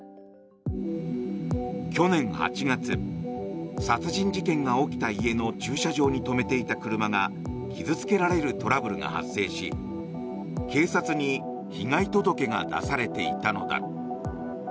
去年８月殺人事件が起きた家の駐車場に止めていた車が傷付けられるトラブルが発生し警察に被害届が出されていたのだ。